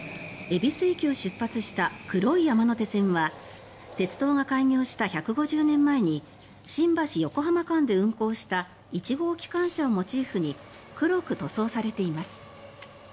恵比寿駅を出発した黒い山手線は鉄道が開業した１５０年前に新橋横浜間で運行した１号機関車をモチーフに黒く塗装されています。